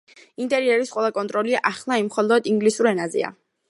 ინტერიერის ყველა კონტროლი ახლა მხოლოდ ინგლისურ ენაზეა.